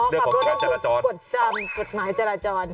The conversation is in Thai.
อ๋อขับรถก็คือกฎตำกฎหมายจราจร